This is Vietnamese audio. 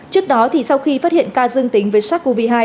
trước đó sau khi phát hiện ca dương tính với sars cov hai